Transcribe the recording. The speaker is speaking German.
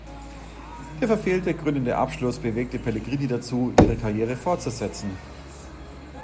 Der verfehlte krönende Abschluss bewegte Pellegrini dazu, ihre Karriere fortzusetzen.